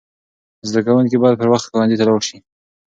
زده کوونکي باید پر وخت ښوونځي ته لاړ سي.